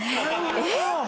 えっ！